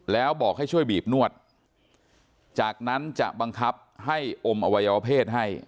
แล้วบอกให้ช่วยบีบนวดจากนั้นจะบังคับให้อมอวัยวเพศให้